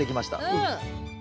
うん。